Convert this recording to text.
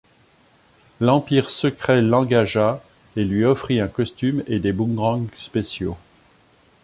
L'Empire Secret l'engagea et lui offrit un costume et des boomerangs spéciaux.